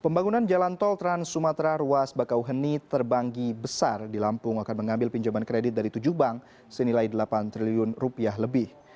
pembangunan jalan tol trans sumatera ruas bakauheni terbanggi besar di lampung akan mengambil pinjaman kredit dari tujuh bank senilai delapan triliun rupiah lebih